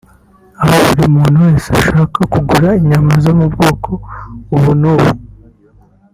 aho buri muntu wese ushaka kugura inyama zo mu bwoko ubu n’ubu